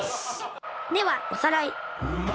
ではおさらい